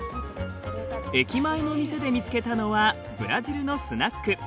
駅前の店で見つけたのはブラジルのスナック。